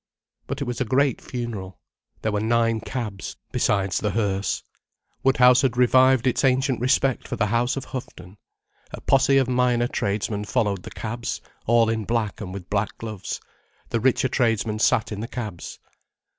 But it was a great funeral. There were nine cabs, besides the hearse—Woodhouse had revived its ancient respect for the house of Houghton. A posse of minor tradesmen followed the cabs—all in black and with black gloves. The richer tradesmen sat in the cabs.